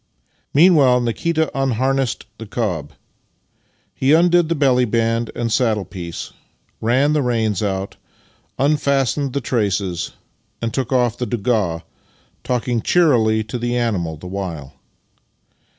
Meanwhile Nikita unharnessed the cob. He undid the belly band and saddle piece, ran the reins out, unfastened the traces, and took off the doiiga, talking cheerily to the animal the while.